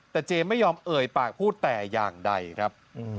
แต่เจมส์ไม่ยอมเอ่ยปากพูดแต่อย่างใดครับ